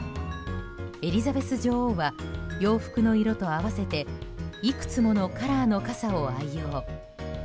エリザベス女王は洋服の色と合わせていくつものカラーの傘を愛用。